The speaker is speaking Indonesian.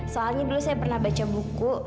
soalnya dulu saya pernah baca buku